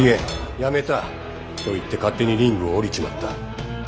やめた！」と言って勝手にリングを降りちまった。